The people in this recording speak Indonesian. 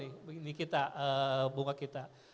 ini bunga kita